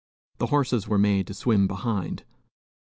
The horses were made to swim behind.